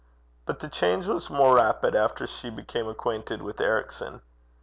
But the change was more rapid after she became acquainted with Ericson.